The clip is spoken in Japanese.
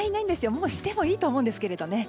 もうしてもいいんですけれどね。